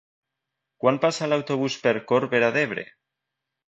Quan passa l'autobús per Corbera d'Ebre?